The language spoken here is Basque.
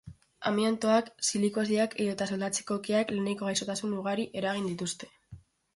Amiantoak, silikosiak edota soldatzeko keak laneko gaixotasun ugari eragin dituzte.